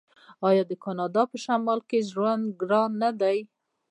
آیا د کاناډا په شمال کې ژوند ګران نه دی؟